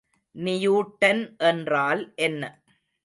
Newton என்றால் என்ன?